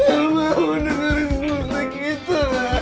aku mau dengerin musik itu